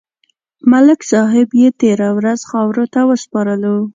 ملک صاحب یې تېره ورځ خاورو ته وسپارلو.